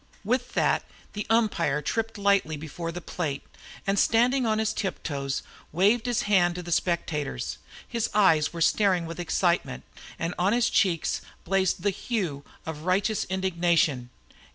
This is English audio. With that the umpire tripped lightly before the plate, and standing on his tiptoes, waved his hand to the spectators. His eyes were staring with excitement, and on his cheek blazed the hue of righteous indignation.